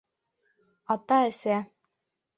Ата-әсә.